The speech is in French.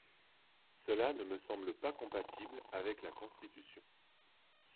Cela ne me semble pas compatible avec la Constitution.